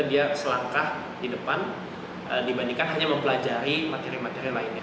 dia selangkah di depan dibandingkan hanya mempelajari materi materi lainnya